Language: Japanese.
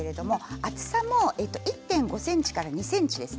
厚さは１．５ｃｍから２ｃｍです。